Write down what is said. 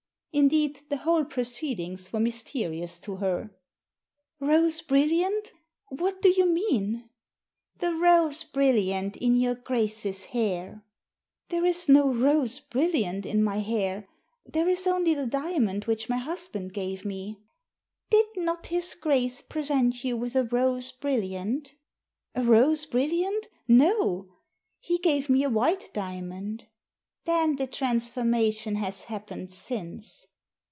Indeed, the whole proceedings were mysterious to her. " Rose brilliant ? What do you mean ?"* The rose brilliant in your Grace's hair." " There is no rose brilliant in my hair. There is only the diamond which my husband gave me." Did not his Grace present you with a rose brilliant?" "A rose brilliant? No! He gave me a white diamond." "Then the transformation has happened since."